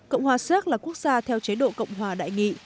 cộng hòa xéc là quốc gia theo chế độ cộng hòa đại nghị